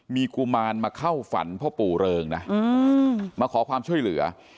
มีกุมารมาเข้าฝันพ่อปู่เริงนะมาขอความช่วยเหลือ